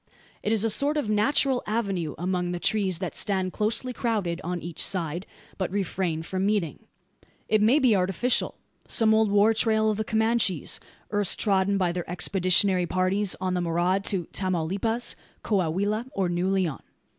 It is a sort of natural avenue among the trees that stand closely crowded on each side, but refrain from meeting. It may be artificial: some old "war trail" of the Comanches, erst trodden by their expeditionary parties on the maraud to Tamaulipas, Coahuila, or New Leon.